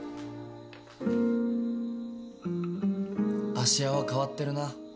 芦屋は変わってるな。